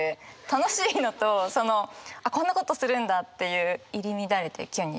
楽しいのとこんなことするんだっていう入り乱れてキュン